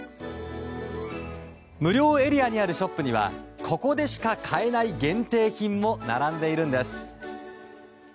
無料エリアにあるショップにはここでしか買えない限定品も並んでいるんです。